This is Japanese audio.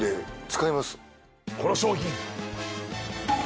この商品。